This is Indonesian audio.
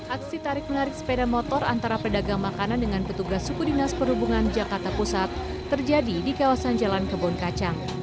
aksi tarik menarik sepeda motor antara pedagang makanan dengan petugas suku dinas perhubungan jakarta pusat terjadi di kawasan jalan kebun kacang